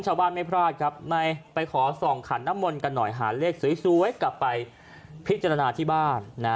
ชาวบ้านไม่พลาดครับไปขอส่องขันน้ำมนต์กันหน่อยหาเลขสวยกลับไปพิจารณาที่บ้าน